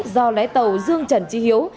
do lái tàu dương trần tri hiếu